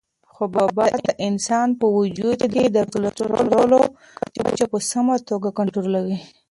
حبوبات د انسان په وجود کې د کلسترولو کچه په سمه توګه کنټرولوي.